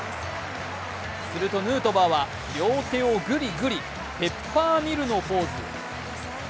するとヌートバーは両手をぐりぐり、ペッパーミルのポーズ。